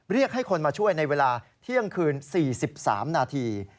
เรียกให้คนมาช่วยในเวลาเที่ยงคืน๔๓นาที